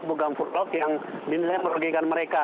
program furlok yang dinilai perbegian mereka